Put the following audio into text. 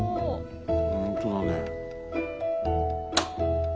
ほんとだね。